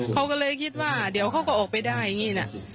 เขาก็เลยคิดว่าเดี๋ยวเขาก็ออกไปได้อย่างนี้นะ